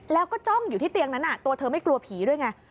แล้วก็จ้องอยู่ที่เตียงนั้นตัวเธอไม่กลัวผีด้วยไง